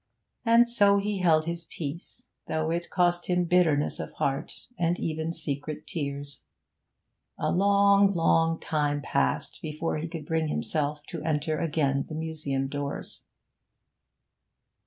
And so he held his peace, though it cost him bitterness of heart and even secret tears. A long, long time passed before he could bring himself to enter again the museum doors.